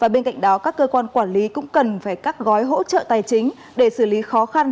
bên cạnh đó các cơ quan quản lý cũng cần phải các gói hỗ trợ tài chính để xử lý khó khăn